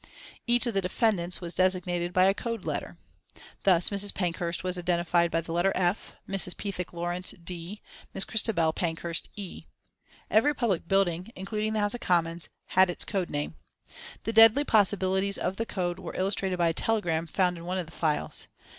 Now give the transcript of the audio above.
Each of the defendants was designated by a code letter. Thus Mrs. Pankhurst was identified by the letter F; Mrs. Pethick Lawrence, D; Miss Christabel Pankhurst, E. Every public building, including the House of Commons, had its code name. The deadly possibilities of the code were illustrated by a telegram found in one of the files.